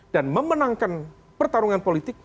dan memenangkan pertarungan politik